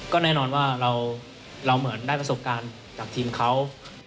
ก็แน่นอนว่าเราเหมือนได้ประสบการณ์จากทีมเขา